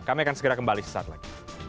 kami akan segera kembali sesaat lagi